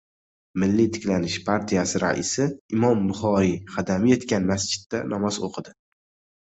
"Milliy tiklanish" partiyasi raisi Imom Buxoriy qadami yetgan masjidda namoz o‘qidi